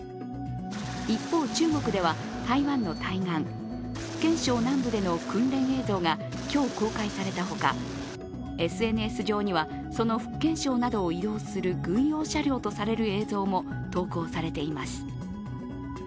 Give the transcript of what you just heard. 一方、中国では台湾の対岸、福建省南部での訓練映像が今日公開されたほか、ＳＮＳ上にはその福建省などを移動する軍用車両とされる映像も投稿されています。